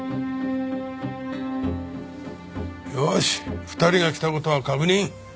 よし２人が来た事は確認。